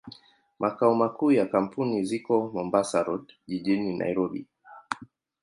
Makao makuu ya kampuni ziko Mombasa Road, jijini Nairobi.